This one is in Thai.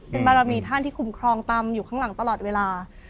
เป็นบารมีท่านที่คุ้มครองตำอยู่ข้างหลังตลอดเวลา